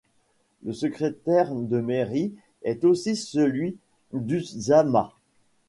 Le secrétaire de mairie est aussi celui d'Ultzama.